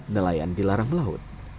nelayan dilarang melaut